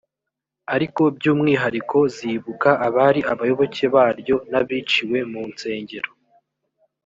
ariko by’umwihariko zibuka abari abayoboke baryo n’abiciwe mu nsengero